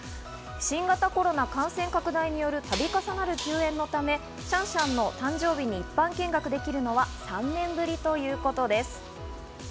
新型コロナ感染拡大による度重なる休園のため、シャンシャンの誕生日に一般見学できるのは３年ぶりということです。